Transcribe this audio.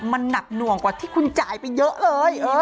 มันหนักหน่วงกว่าที่คุณจ่ายไปเยอะเลย